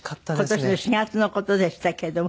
今年の４月の事でしたけども。